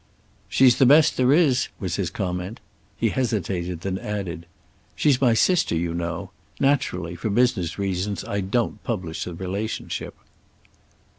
"She's the best there is," was his comment. He hesitated, then added: "She's my sister, you know. Naturally, for business reasons, I don't publish the relationship."